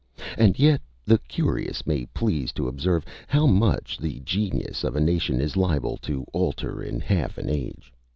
And yet the curious may please to observe, how much the genius of a nation is liable to alter in half an age.